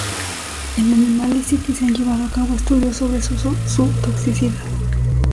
En animales si que se han llevado a cabo estudios sobre su toxicidad.